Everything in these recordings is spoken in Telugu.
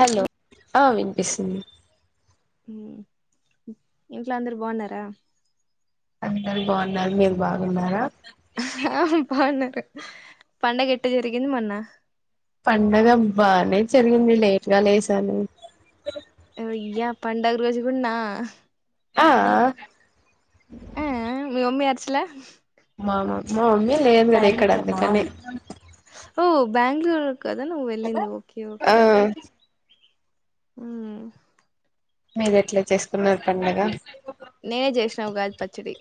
హలో ఆ వినిపిస్తుంది ఉ ఇంట్లో అందరు బాగున్నారా అందురు బాగున్నారు మీరు బాగున్నారా పండగేట్టు జరిగింది మొన్న పండుగ బానే జరిగింది లేట్గా లేసాను అయ్యా పండగ రోజుకుడ్న ఆ ఆ మీ మమ్మీ ఆచలే మా మా మమ్మీ లేదు కదా ఇక్కడ అందుకని ఓ బ్యాంగ్లుర్ కదా నువ్వు వెళ్ళింది ఓకే ఓకే ఆ ఉ మీరు ఎట్లా చేసుకున్నారు పండగ నేనే చేసినా ఉగాది పచ్చడి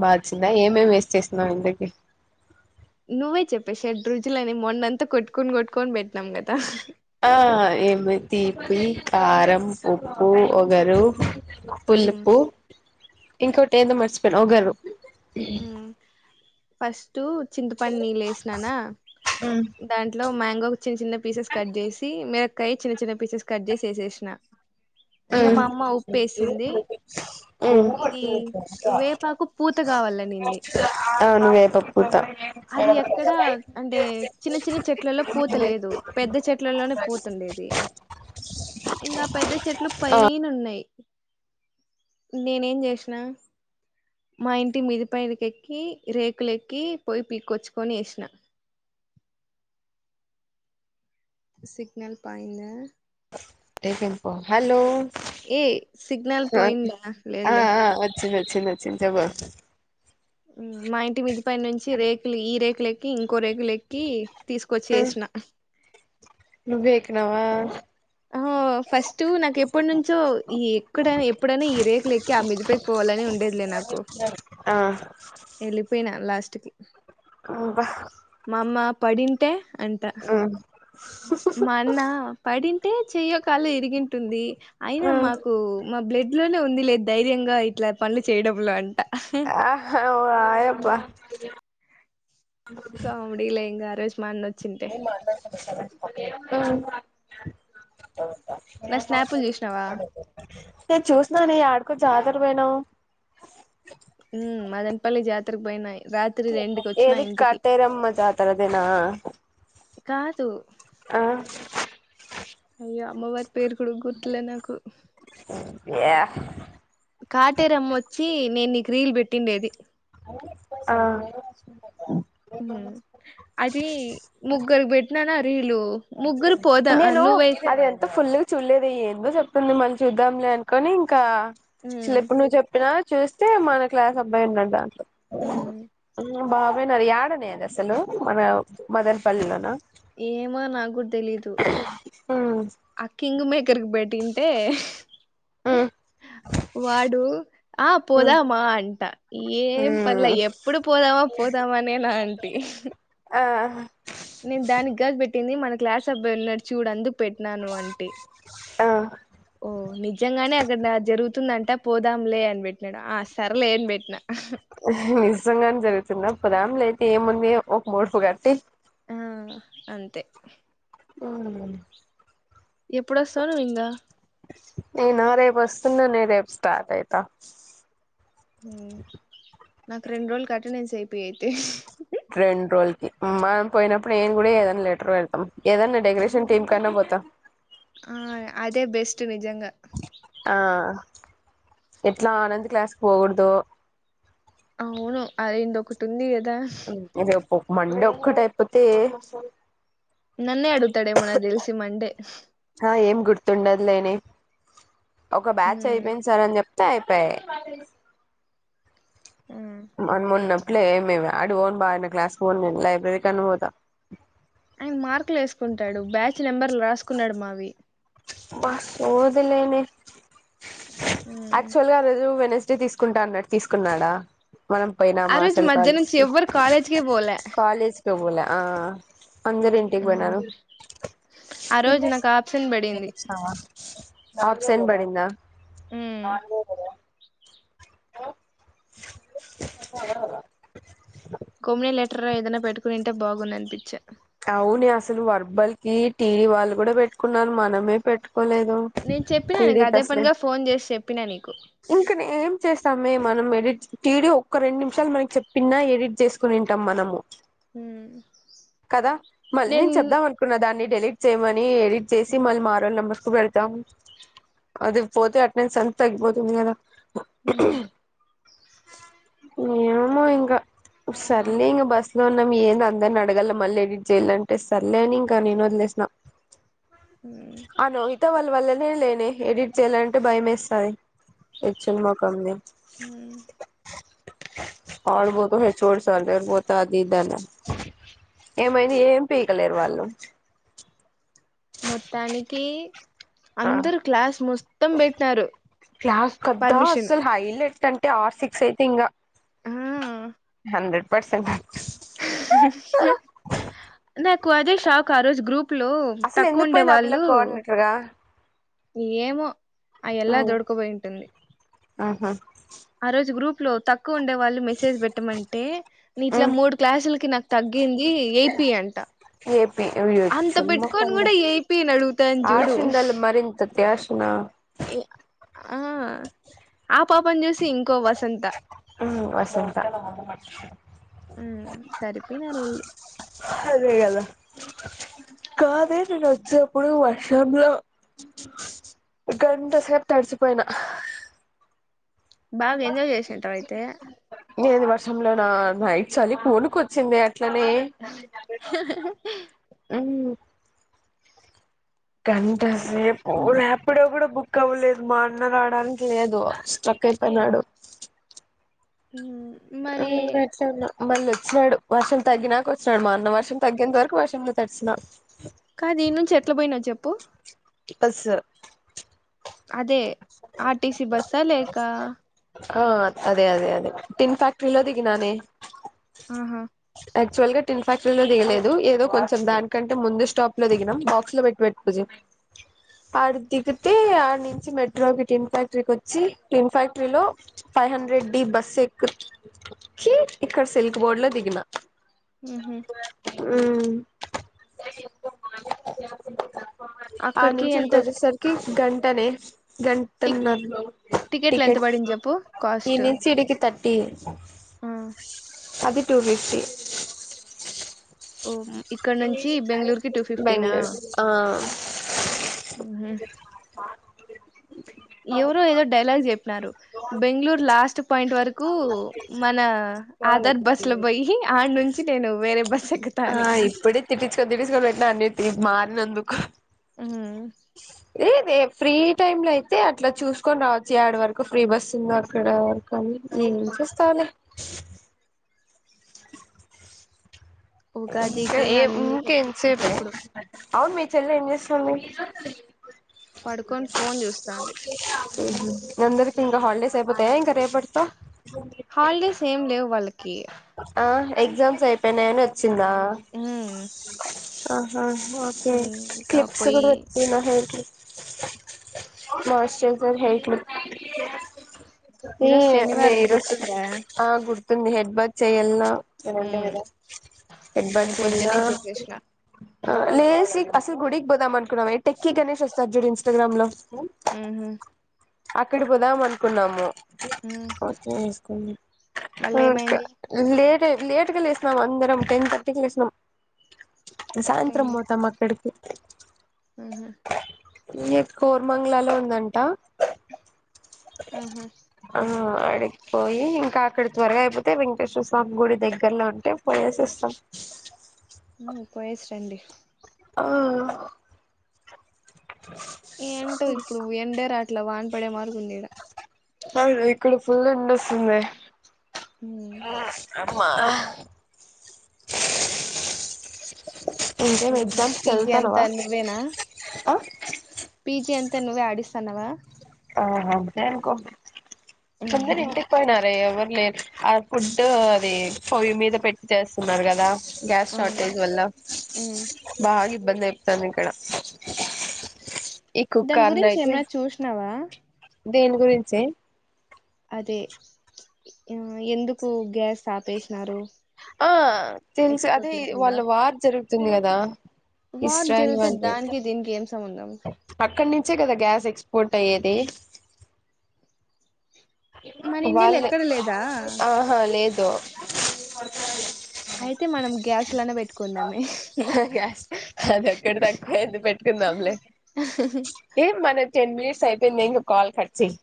బా వచ్చిందా ఏమేం వేస్ చేస్తున్నావ్ ఇంతకి నువ్వే చెప్పే షెడ్ రుజిలని మొన్నంత కోటుకోన్ కోటుకోన్ బెట్ నమ్ కదా ఆ ఏమి తీపి కారం ఉప్పు ఒగరు హ్మ్ పులుపు ఇంకోటి ఏందో మర్చిపోయిన ఒగరు హ్మ్ ఫస్ట్ చింతపని నీళ్ళ వేసిననా ఉమ్ దాంట్లో మ్యాంగో చిన్న చిన్న పీసెస్ కట్ చేసి మిరొకాయ చిన్న చిన్న పీసెస్ కట్ చేసి వేసేసిన ఇంగ హమ్ మా అమ్మ ఉప్పు వేసింది ఉమ్ ఇది వేపాకు పూత కావాలనింది అవునులే అది ఎక్కడా అంటే చిన్న చిన్న చెట్లలో పూత లేదు పెద్ద చెట్లలోనే పూత ఉండేది ఇంకా పెద్ద చెట్లు ఆ పైన ఉన్నాయి నేనేం చేసినా మా ఇంటి మిది పైనకి ఎక్కి రేకులేక్కి పోయి పీకొచ్చుకొని వేసిన సిగ్నల్ పైన ఎహే పో హలో ఏ సిగ్నల్ అ పోయిందా అ లేదులే ఆ వచ్చింది వచ్చింది వచ్చింద్ చెప్పు మా ఇంటి మిది పైన నుంచి రేకులు ఈ రేకుల ఎక్కి ఇంకో రేకులెక్కి తీసుకొచ్చి ఆసిన నువ్వే ఎక్కినవా ఆ ఫస్ట్ నాకు ఎప్పటి నుంచో ఈ ఎక్క ఎప్పుడైనా ఈ రేకు లెక్కి ఆ మిదిపేకి పోవాలని ఉండేది లే ఆ వెళ్ళిపోయినా లాస్ట్ కి అబ్బా మా అమ్మ పడింటే అంట్ర మ్మ్ మాన్న పడింటే చెయ్యకాలో ఇరిగింటుంది. అయినా మాకు మా బ్లడ్ లోనే ఉంది లేదు ధైర్యంగా ఇట్లా పనులు చేయడంలో అని ఆ ఓహ్ రాయబ్బ కామిడిలే ఇంకా ఆరోజు మా అన్న ఓ ఆ నా స్నాపులు చూసినావా నేను చుతుననే ఆడుకోదర ట్ పోయినవ్ హ మదన్పల్లి జాతరకి బోయినై ఏది కటేరమ్మజాతరకేనా కాదు హ అయ్యో అమ్మవారి పేరు కూడా గుర్తులే నాకు ఎహ్ కాటేరమ్మ వచ్చి నేను నీకు రీల్ పెట్టిండేది. ఆ అది ముగ్గురు పెట్టినాను ఆ రీలు ముగ్గురు పోదా నేను నువ్వై అది ఎంత ఫుల్ చూడలేదు ఎందో చెప్తుంది మళ్ళీ చూద్దాంలే అనుకొని ఇంకా అసలు ఉమ్ ఎప్పుడు నువ్వు చెప్పినా చూస్తే మన క్లాస్ అబ్బాయి ఉన్నాడు దాంట్లో ఉమ్ బాగా పోయినాడు యాడనే అది అసలు మన మదనపల్లిలోన ఎమో నాకూడా తెలీదు అకింగ్ మే ఎక్కరికి పెట్టింటే వాడు ఆ పోదామా అంట ఏం పర్లే ఎప్పుడు పోదామా పోదామానే నాంటి ఆ నేను దానికి కాదు పెట్టింది మన క్లాస్ అబ్బాయి ఉన్నాడు చూడు అందు పెట్టినాను అంటే ఆ ఓ నిజంగానే అక్కడ అది జరుగు తుందంటా పోదాం లే అని పెట్టినాడు ఆ సరే లే అని పెట్టినా నిజంగానే జరుగుతుందాప్పుదాం లే అయితే ఏముంది ఒక మూడుపు కట్టి ఆ అంతే హమ్ ఎప్పుడోస్త రింగ న్నుందే రేప్ స్టార్ట్ అయితా మ్ నాకు రెండ్రోజులకి అటెండెన్స్ ఏపి అయితే రెండ్రోజుల కి మనం పోయినప్పుడు ఎం కూడా ఏదన్నా లెటర్ పెడుతాం ఏదన్నా డెకరేషన్ టీం కన్నా త ఆ అదే బెస్టు నిజంగా ఆ ఎట్లా ఆనంద్ క్లాస్కు పోకోడదు అవును అదెందోకటి ఉంది అద్ ఇది ఒ మండే ఒక్కటైపోతే నన్నే అడుగుతాడేమో నకు తెల్సి మండే ఏం గుర్తుండద్లేనే ఒక ఉమ్, బ్యాచైపోయింది సార్ అని చెప్తే అయి పే. ఉమ్. మన మోన్నప్పులే ఏమేవ్ అటు పోను బనే క్లాస్కి పోను నేను లైబ్రరీకన్న పోతా ఆయన మార్కులేస్కుంటాడు బ్యాచ్ నెంబర్లు రాస్కున్నాడు మావి బ సోదిలేనే ఉమ్. యాక్చువల్గా ఆ రోజు వెనస్డే తీసుకుంటా అన్నాడు తీస్కున్నాడా మనం ఆ పోయినామా రోజు అసలు మధ్య నుంచి కాలేజ్కి ఎవ్వరు కాలేజ్కే పోలే కాలేజ్కే పోలే ఆ అందరింటికి పోయినారు ఉమ్. ఆ రోజు ఎల్లేస నాకు ఆప్షన్ పడింది ఏళ్ళొచ్చినావ ఆప్సెం బడిందా హాలో కోమేలి లెటర్ ఏదైనా పెట్టుకునింటే బాగుందనిపించే. అవునే అసలు వర్బల్కి టీవి వాళ్ళు కూడా పెట్టుకున్నారు మనమే పెట్టుకు. నేను చెప్పినా నికు అదే పనిగా ఫోన్ చేసి చెప్పినా నీకు ఇంక ఏం చేస్తామే మనం ఎడి టీడీ ఒక్క రెండు నిమ్షాలు మనకి చెప్పింన్నా ఎడిట్ చేస్కునింటాం మా మనము. హూ మ్ కదా మళ్ నేను చెప్దాం అనుకున్న దాన్ని డెలీట్ చేయమని ఎడిట్ చేసి మళ్ళీ మారోళ్నెంబర్కు పెడ్తాం అది పోతే అట్నై సంతకుపోతుండే గద హూ మ్ ఏమొ ఇంగ సర్లే ఇంగ బస్లో ఉన్నాం ఏంది అందరినడగల మళ్ళేడిట్ చేయాలంటే సర్లే అని ఇంకా నేను ఓదిలేసినా హ్మ్ ఆ లోహత వాళ్ళ వల్లనే లేనే ఎడిట్ చేయాలంటే భయమేస్తది ఏచ్చుల్ మొకంది హ్మ్ ఆడు బోతో హెచ్ఒడి సర్ దగ్గరికి పోతే అది ఇదనే ఏమైంది ఏం పీకలేరు వాళ్ళు. మొత్తానికి. ఆ అందరు క్లాస్ మొత్తం పెట్టరు పర్మిషన్ టంటే ఆర్ సిక్స్ అయితే ఇంగా ఆ హండ్రెడ్ పర్సెంట్ నాకదే షాక్ ఆ రోజు గ్రూప్ ప్లో అసలు ఎందుకు తక్కువుండే పోయింది ఆ పిల్ల వాళ్ళు కోఆర్డినేటర్ గా ఏమో ఆ ఎల్లా దొడ్కపోయింటుంది ఆహా ఆ రోజు గ్రూప్ ప్లో తక్ ఉండే వాళ్ళు మెసేజ్ పెట్టమంటే నిట్లా మూడు క్లాసులకి నాకు తగ్గింది ఏపీ అంట ఏపి అంత పెట్టుకొని కూడా యొచ్చుమోక్కల్క్ ఏపీ అని అడుగుతాను ఆషుండలి మరి అత్యాశనా యి ఆ పాపన్ చూసి ఇంకో వసంత మ్మ్ వసంత ఉమ్ సరిపోయినారు వాళ్ళు హదేగద కాదే నేను వచ్చేప్పుడు వర్షంలో గంట సేపు తడిచిపోయినా నే బాగా ఎంజాయ్ చేసింటావు అయితే [unintelligible] వర్షంలో నా నైట్ చలికి వొనుకు వచ్చింది ఎ ట్లనే ఉమ్ గంట సేపు రాపిడో కూడా బుక్ కవ్వలేదు మా అన్న రాడానికి లేదు స్ట్రక్ అయిపోయినాడు మరి ఉమ్ వచన్నా మళ్ళీ వచ్చినాడు వర్షం తగ్గినాక వచ్చినాడు మా అన్న వర్షం తగ్గేంత వరకు వర్షంలో తడిచినా కాదు ఇడ్ నుంచి ఎట్లా పోయినవు చెప్పు పస్స అదే ఆర్టిసీ బస్స్ అ లేక అ ఆ అదే అదే అదే టిన్ ఫ్యాక్టరీలో దిగిననే ఆహా యాక్చువల్ గా టిన్ ఫ్యాక్టరీ లో దిగలేదు ఏదో కొంచం దానికంటే ముందు స్టాప్ లో దిగినం బాక్స్ లో పెట్టి ఆడు దిగితే ఆనుంచి మెట్ [unintelligible] టీన్ ఫ్యాక్టరీకి వచ్చి టీన్ ఫ్యాక్టరీ లో ఫై హండ్రెడ్ డి బస్ ఎక్కు చ్చి ఇక్కడ సిల్క్ బోర్డ్ లో దిగిన మ్ హు ఉమ్ ఆ అక్కడికి నుంచి ఇడికి ఎంత వచ్చేసరికి గంటనే టిక్ గంటన్నర్ టికెట్లు ఎంత టికెట్ పడింది చెప్పు ఈ నుంచి ఇడికి థర్టీ అ అది టూఫిఫ్టీ ఉమ్ ఇక్కనుంచి బెంగళూరుకి టూ ఫిఫ్టీనా బెంగళూరు ఆ మ్ హు ఎవరో ఏదో డైలాగ్ చెప్పినారు బెంగళూరు లాస్ట్ పాయింట్ వరకు మన ఆధార్ బస్సు లో బోయి ఆనుంచి నేను వేరే బస్ ఎక్కుత అని తిట్టిచ్చుకని తిటిచ్చుకొని పెట్టిన అండి మారినందుకు ఉమ్ ఏదే ఫ్రీ టైమ్ లో అయితే అట్లా చూసుకొని రావచ్చుగ అడ వరకు ఫ్రీ బస్ ఉంద అక్కడ కనీ ఏం చేస్తావ్ లే ఉగాదికి [unintelligible] ఏవ్ ఇంక అన్ని ఎంత సేపె ఇప్పుడిప్పుడు అవును మీ చెల్ల ఏం చేస్తుంది పడుకొని ఫోన్ చూస్తాంది మ్ హు మందరికి ఇంకా హాలిడేస్ అయిపోతయ ఇంకా రేప్ పటత హాలిడేస్ ఏం లేవు వాళ్ళకి ఆ ఎగ్జామ్స్ అయిపోయినాయని వచ్చిందా ఉమ్ ఆహా ఓకే ఇంకా క్లిప్స్ పోయి కూడ పెట్టినా హెయిర్ కి [unintelligible] హేయిట్లు ఈరోజు [unintelligible] శనివారం నేరుస్ గుర్తుందా ఆ గు [unintelligible] హెడ్ బాత్ చేయ్యాలనా ఉమ్ రెండోవద హెడ్ బాత్ నేను పొద్దునే చేసేసిన [unintelligible] అసలు గుడిక్ బోదాం అనుకున్నామె టెక్కి గణష్ వస్తార్ జుడు ఇంస్టాగ్రామ్ లో ఉమ్ అక్కడ పోదామనుకున్నాము ఉమ్ మళ్ళీ ఏమైంది [unintelligible] లేట్ లేటుగా లేసినాం అందారం టెన్ థర్టీకి లేసినాం టెన్ సాయంత్రం పోతాం థర్టీ అక్కడికి ఉహు ఇయే కోర్మంగ్లాలో ఉందంట ఆహా ఆ అడికిపోయి ఇంకా అక్కడ త్వరగా అయిపోతే వెంక్ టేశ్వస్వామి గుడి దగ్గర్లో ఉంటే పోయేసి వస్తాం ఉమ్ పోయెసి రండి ఆ ఏ ఏంటో ఇప్పుడు ఎండే రాట్లే వాన్ పడే మార్గ ఉంది ఇడా [unintelligible] ఇక్కడ ఫుల్ ఎండ వస్తుందే ఉమ్ అమ్మా ఇంకేం [unintelligible] ఎగ్జామ్స్ పీజీ అంతా చదువుతానవా నువ్వేనా ఆ పీజీ అంత అయితే నువ్వే ఆడిస్తానవా కొందర్ ఇంటికి పోయినారే ఎవరు లేదు ఆ ఫుడ్ అది పోయి మీద పెట్టి చేస్తున్నారు కదా గ్యాస్ ఆ షార్టేజ్ వల్ల బాగా ఇబ్బంది [unintelligible] దాని గురించి ఏమైనా చూసినావా దేని గురించే అదే ఉమ్ ఎందుకు గ్యాస్ ఆపేసినారు ఆ తెలుసు అదే ఎక్స్పోర్ట్ లేకుండా వాళ్ళ వార్ జరుగుతుంది కదా వార్ ఇస్రాయిల్ జరిగితే వల్దీ దానికి దీనికి ఏం సంబంధం అక్కడి నుంచే కదా గ్యాస్ ఎక్స్పోర్ట్ అయ్యేది మన ఇండియాలో వాళ్ళే ఎక్కడ లేదా ఆహా లేదు అయితే మనం గ్యాస్ లోనే పెట్టుకున్నామే గ్యాస్ అది ఒక్కటి తక్కువ అయ్యింది పెట్టుకుందాలే ఎ మన టెన్ మినిట్స్ అయిపోయిందా ఇంగ కాల్ కట్ చేయి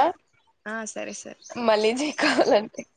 అ ఆ సరే సరే మళ్ళీ [unintelligible]